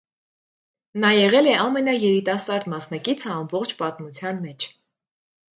Նա եղել է ամենաերիտասարդ մասնակիցը ամբողջ պատմության մեջ։